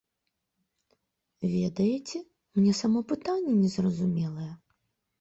Ведаеце, мне само пытанне незразумелае.